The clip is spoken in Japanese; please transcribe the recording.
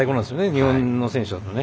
日本の選手で。